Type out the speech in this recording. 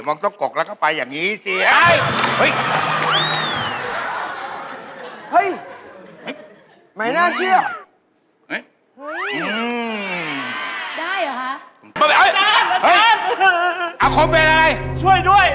เห้ยหือหือหือแฟนปลดลองไอ้หรอท่านน่าจริงแล้วคุ้มเป็นอะไรช่วยด้วย